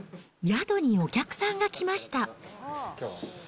宿にお客さんが来ました。